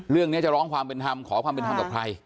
เรื่องนี้จะร้องความเป็นธรรมขอความเป็นธรรมกับใคร